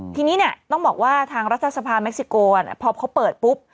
ทีนี้เนี่ยต้องบอกว่าทางรัฐสภาเม็กซิโกพอเขาเปิดปุ๊บ